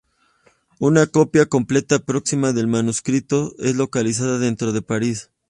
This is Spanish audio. Una copia completa próxima del manuscrito es localizada dentro de París.